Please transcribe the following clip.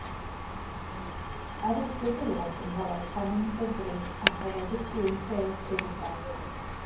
Addysgwyd Williams yng Ngholeg Llanymddyfri a Choleg y Trwyn Pres, Rhydychen.